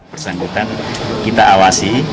persangkutan kita awasi